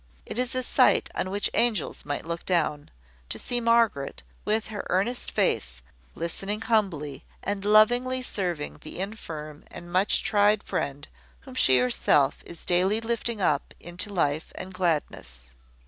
It is a sight on which angels might look down, to see Margaret, with her earnest face, listening humbly, and lovingly serving the infirm and much tried friend whom she herself is daily lifting up into life and gladness.